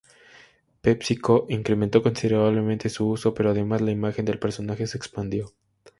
PepsiCo incrementó considerablemente su uso, pero además la imagen del personaje se expandió.